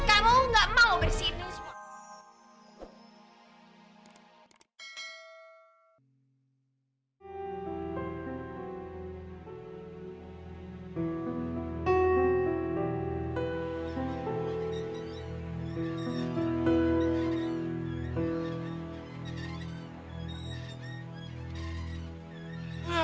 kamu gak mau bersihin ini semua